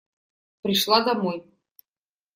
Пришла домой.